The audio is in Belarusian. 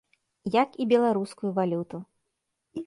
Як і беларускую валюту.